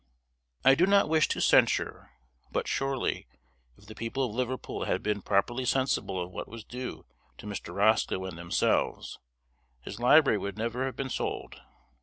I do not wish to censure; but, surely, if the people of Liverpool had been properly sensible of what was due to Mr. Roscoe and themselves, his library would never have been sold.